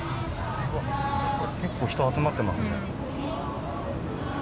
結構人集まってますね。